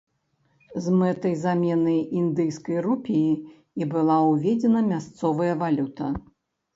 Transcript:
З мэтай замены індыйскай рупіі і была ўведзена мясцовая валюта.